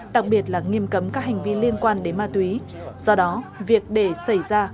đặc biệt là nghiêm cấm các hành vi liên quan đến ma túy do đó việc để xảy ra